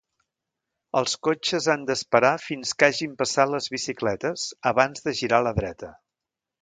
Els cotxes han d'esperar fins que hagin passat les bicicletes, abans de girar a la dreta.